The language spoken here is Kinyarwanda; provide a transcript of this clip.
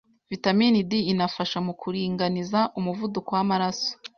Vitamin D inafasha mu kuringaniza umuvuduko w’amaraso